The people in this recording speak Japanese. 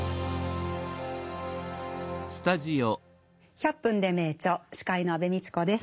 「１００分ｄｅ名著」司会の安部みちこです。